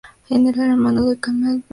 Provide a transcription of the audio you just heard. Ella era hermana de Kamil Bey.